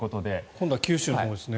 今度は九州のほうですね。